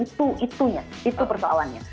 itu itunya itu persoalannya